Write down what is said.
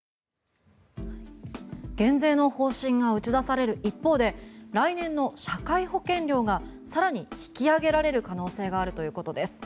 減税の方針が打ち出される一方で来年の社会保険料が更に引き上げられる可能性があるということです。